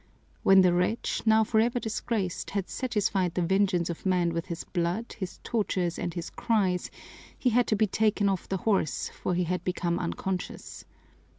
When the wretch, now forever disgraced, had satisfied the vengeance of man with his blood, his tortures, and his cries, he had to be taken off the horse, for he had become unconscious.